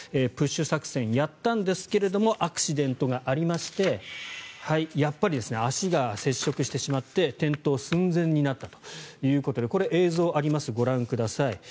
プッシュ作戦をやったんですがアクシデントがありましてやっぱり足が接触してしまって転倒寸前になったということでこれ、映像がありますご覧ください。